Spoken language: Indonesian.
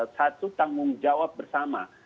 satu tanggung jawab bersama